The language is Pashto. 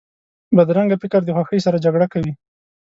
بدرنګه فکر د خوښۍ سره جګړه کوي